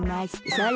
それ！